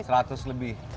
rp seratus lebih